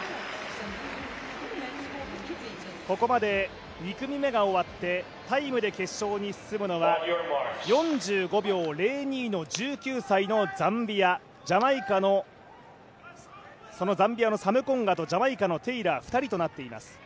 ここまで２組目が終わってタイムで決勝に進むのは４５秒０２の１９歳のザンビアジャマイカのそのザンビアのサムコンガとジャマイカのテイラー２人となっています。